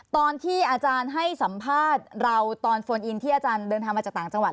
ตอนที่อาจารย์ให้สัมภาษณ์เราตอนโฟนอินที่อาจารย์เดินทางมาจากต่างจังหวัด